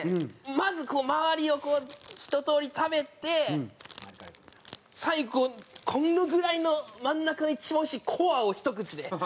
まず周りをこうひととおり食べて最後このぐらいの真ん中の一番おいしいコアをひと口で。